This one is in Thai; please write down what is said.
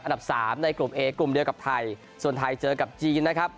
สามในกลุ่มเอกลุ่มเดียวกับไทยส่วนไทยเจอกับจีนนะครับ